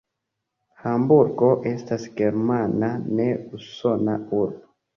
Hamburgo estas germana, ne usona urbo.